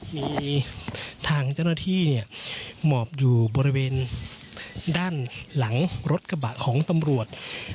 มีทางเจ้าหน้าที่หมอบอยู่บริเวณด้านหลังรถกระบะของตำรวจ